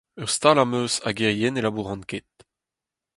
Ur stal am eus ha hiziv ne labouran ket.